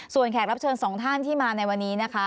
ส่วนแขกรับเชิญสองท่านที่มาในวันนี้นะคะ